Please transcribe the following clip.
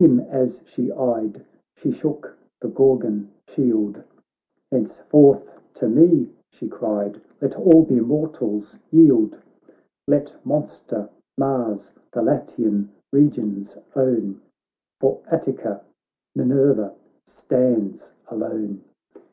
Him as she eyed, she shook the gorgon shield ; 'Henceforth to me,' she cried, 'let all th' immortals yield. Let monster Mars the Latian regions own, For Attica, Minerva stands alone.'